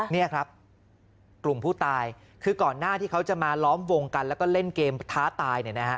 นี่ครับกลุ่มผู้ตายคือก่อนหน้าที่เขาจะมาล้อมวงกันแล้วก็เล่นเกมท้าตายเนี่ยนะฮะ